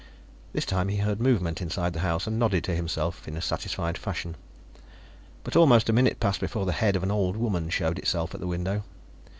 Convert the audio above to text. This time he heard movement inside the house, and nodded to himself in a satisfied fashion. But almost a minute passed before the head of an old woman showed itself at the window.